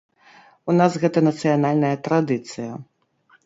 У нас гэта нацыянальная традыцыя.